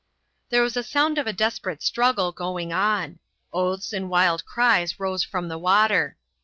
There was a sound of a desperate struggle going on. Oaths and wild cries rose from the water.